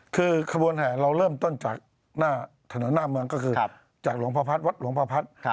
คือขบวนแห่เราเริ่มต้นจากหน้าถนนหน้าเมืองก็คือจากหลวงพระพัฒน์วัดหลวงพระพัฒน์